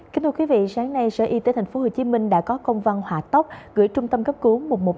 kính thưa quý vị sáng nay sở y tế tp hcm đã có công văn hòa tóc gửi trung tâm cấp cứu một một năm